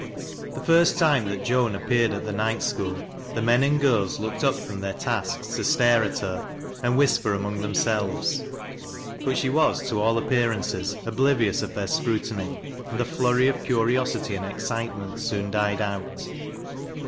1 HE first time that Joan appeared at the night school the men and girls looked up from their tasks to stare at her, and whisper among themselves ; but she was, to all appearances, obliFious of their scrutiny, and the flurry oi euiiosity and excitement soon died out.